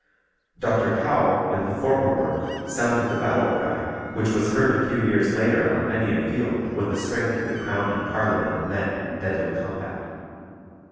Dr. Cowell, in the former work, sounded the battle cry which was heard a few years later on many a field when the strength of the Crown and Parliament met in deadly combat.